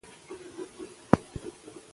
لیکوال د انسانانو ترمنځ مینه د حل لاره بولي.